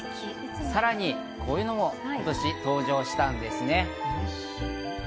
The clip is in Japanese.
さらにこういうのも今年登場したんですね。